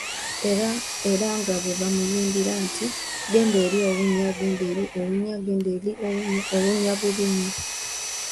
Era nga bw'ebamuyimbira nti; Genda eli owunya ,genda eli owunya, genda eli owunya, owunya bubi nnyo.